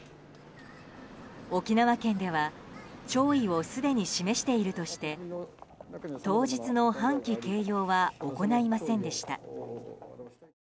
沖縄県では弔意をすでに示しているとして当日の半旗掲揚は行いませんでした。